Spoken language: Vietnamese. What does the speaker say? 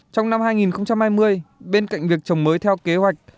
trong năm hai nghìn hai mươi bên cạnh việc trồng mới theo kế hoạch